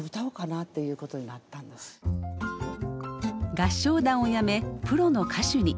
合唱団をやめプロの歌手に。